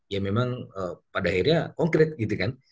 ya memang pada akhirnya konkret gitu kan